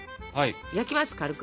焼きます軽く。